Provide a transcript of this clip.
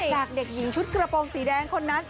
จากเด็กหญิงชุดกระโปรงสีแดงคนนั้น